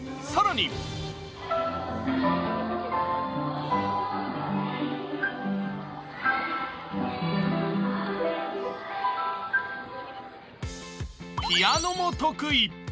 更にピアノも得意。